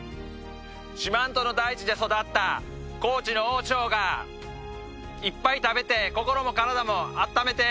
四万十の大地で育った高知の大しょうがいっぱい食べて心も体もあっためてやー！